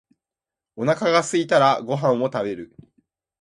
お腹がすいたらご飯を食べる。